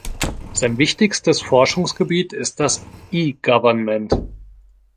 Sein wichtigstes Forschungsgebiet ist das e-Government.